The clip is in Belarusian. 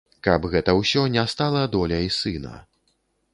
Каб гэта ўсё не стала доляй сына.